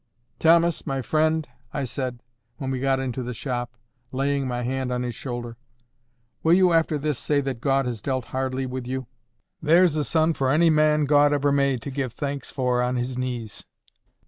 "Thomas, my friend," I said, when we got into the shop, laying my hand on his shoulder, "will you after this say that God has dealt hardly with you? There's a son for any man God ever made to give thanks for on his knees!